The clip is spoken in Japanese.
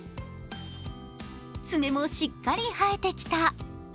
爪もしっかり生えてきた。